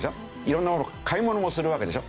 色んなもの買い物もするわけでしょ。